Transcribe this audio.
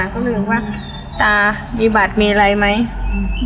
ก็เลยว่าตามีบัตรมีอะไรไหมอืม